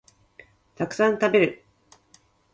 たくさん食べる